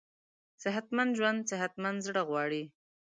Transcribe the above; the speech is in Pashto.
صحتمند ژوند صحتمند زړه غواړي.